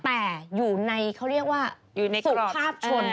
แต่อยู่ในเขาเรียกว่าสุภาพชน